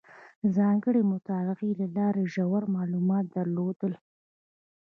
ځانګړې مطالعې له لارې یې ژور معلومات درلودل.